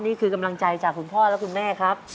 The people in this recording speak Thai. นี่คือกำลังใจจากคุณพ่อและคุณแม่ครับ